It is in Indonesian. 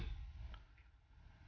aku cuma bersikap baik